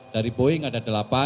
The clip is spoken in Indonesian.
dari boeing ada delapan